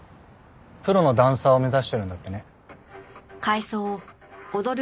プロのダンサーを目指しているんだってね。